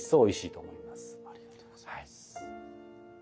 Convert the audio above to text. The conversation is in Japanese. ありがとうございます。